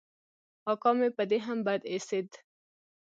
اکا مې په دې هم بد اېسېد.